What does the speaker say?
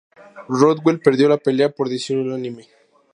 Rothwell perdió la pelea por decisión unánime.